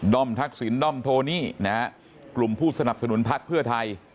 อมทักษิณด้อมโทนี่นะฮะกลุ่มผู้สนับสนุนพักเพื่อไทย